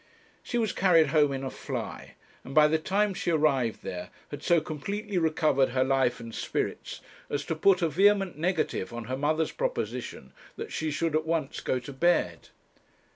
She was carried home in a fly, and by the time she arrived there, had so completely recovered her life and spirits as to put a vehement negative on her mother's proposition that she should at once go to bed.